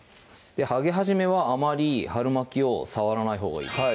揚げ始めはあまり春巻きを触らないほうがいいです